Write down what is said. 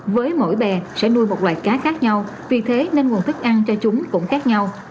với mỗi bè sẽ nuôi một loại cá khác nhau vì thế nên nguồn thức ăn cho chúng cũng khác nhau